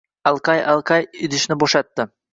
Alqay-alqay idishini boʻshatdi.